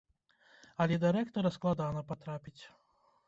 Але да рэктара складана патрапіць.